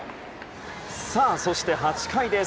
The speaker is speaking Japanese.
そして、８回です。